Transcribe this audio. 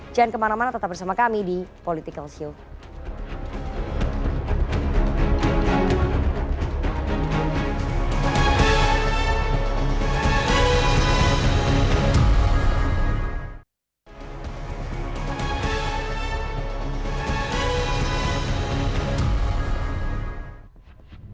jangan kemana mana tetap bersama kami di political shield